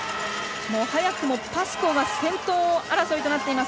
早くもパスコーが先頭争いとなっています。